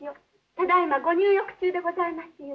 ただいまご入浴中でございますゆえ。